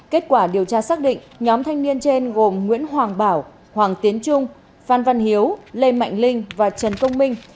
kết quả điều tra xác định nhóm thanh niên trên gồm nguyễn hoàng bảo hoàng tiến trung phan văn hiếu lê mạnh linh và trần công minh